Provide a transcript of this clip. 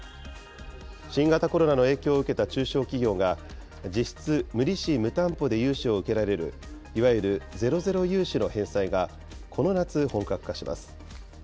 新型コロナの影響を受けた中小企業が、実質、無利子・無担保で融資を受けられるいわゆるゼロゼロ融資の返済が、この夏、本格化します。